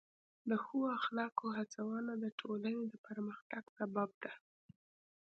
د ښو اخلاقو هڅونه د ټولنې د پرمختګ سبب ده.